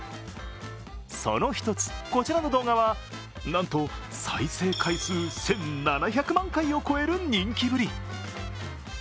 その一つ、こちらの動画はなんと再生回数１７００万回を超える人気ぶり。